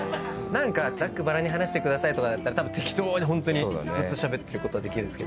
ざっくばらんに話してくださいとかだったら適当にずっとしゃべってることできる。